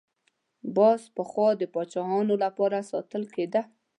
باز پخوا د پاچایانو لپاره ساتل کېده